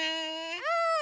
うん！